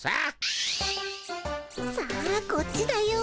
さあこっちだよ。